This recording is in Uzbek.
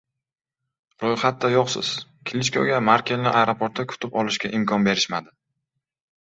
“Ro‘yxatda yo‘qsiz”: Klichkoga Merkelni aeroportda kutib olishga imkon berishmadi